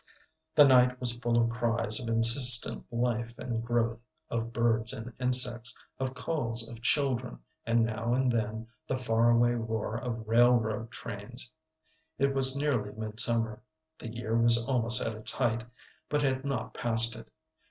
The night was full of cries of insistent life and growth, of birds and insects, of calls of children, and now and then the far away roar of railroad trains. It was nearly midsummer. The year was almost at its height, but had not passed it.